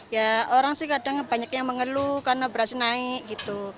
ya orang sih kadang banyak yang mengeluh karena beras naik gitu